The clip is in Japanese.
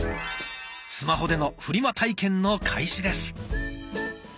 スマホでのフリマ体験の開始です。